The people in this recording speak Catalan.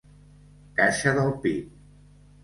Caixa del pit.